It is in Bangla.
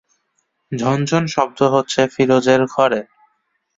ঝন ঝন শব্দ হচ্ছে ফিরোজের ঘরে।